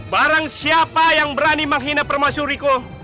barang siapa yang berani menghina permasyuriku